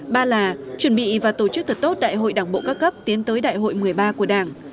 ba là chuẩn bị và tổ chức thật tốt đại hội đảng bộ các cấp tiến tới đại hội một mươi ba của đảng